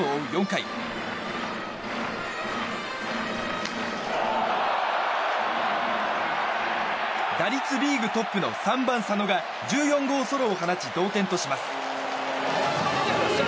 ４回打率リーグトップの３番、佐野が１４号ソロを放ち同点とします。